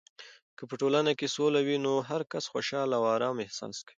که په ټولنه کې سوله وي، نو هرکس خوشحال او ارام احساس کوي.